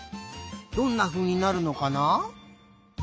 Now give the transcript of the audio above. どんなふうになるのかな？